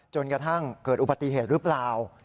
จนกระทั่งเกิดอุบัติเหตุหรือเปล่า